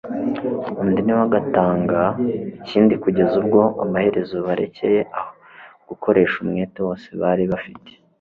undi na we agatanga ikindi kugeza ubwo amaherezo barekeye aho gukoresha umwete wose bari bafite